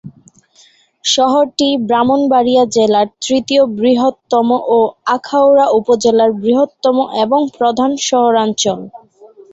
শহরটি ব্রাহ্মণবাড়িয়া জেলার তৃতীয় বৃহত্তম ও আখাউড়া উপজেলার বৃহত্তম এবং প্রধান শহরাঞ্চল।